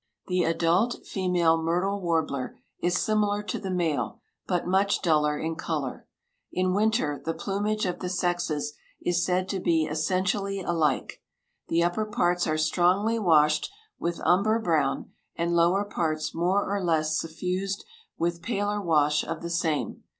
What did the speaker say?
The adult female myrtle warbler is similar to the male, but much duller in color. In winter the plumage of the sexes is said to be essentially alike. The upper parts are strongly washed with umber brown, and lower parts more or less suffused with paler wash of the same.